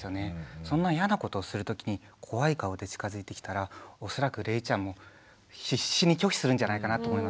そんな嫌なことをする時に怖い顔で近づいてきたら恐らくれいちゃんも必死に拒否するんじゃないかなと思います。